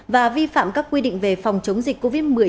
và vi phạm các quy định về phòng chống dịch covid một mươi chín